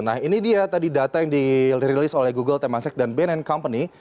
nah ini dia tadi data yang dirilis oleh google temasek dan bnn company